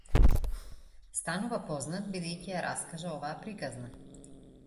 Станува познат бидејќи ја раскажа оваа приказна.